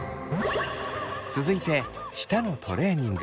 続いて舌のトレーニング。